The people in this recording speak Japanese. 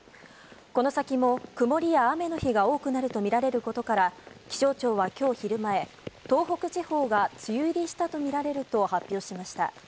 この先も曇りや雨の日が多くなると見られることから、気象庁はきょう昼前、東北地方が梅雨入りしたと見られると発表しました。